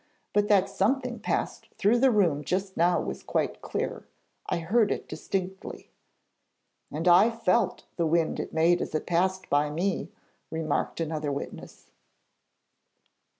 But that something passed through the room just now was quite clear. I heard it distinctly.' 'And I felt the wind it made as it passed by me,' remarked another witness.